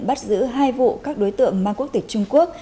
bắt giữ hai vụ các đối tượng mang quốc tịch trung quốc